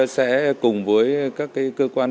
sẽ cùng với các cơ quan